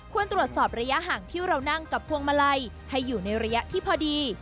ตรวจสอบระยะห่างที่เรานั่งกับพวงมาลัยให้อยู่ในระยะที่พอดี